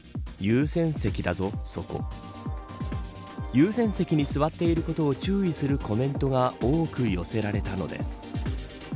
優先席に座っていることを注意するコメントが多く寄せられたのです。